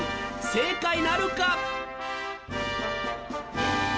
正解なるか？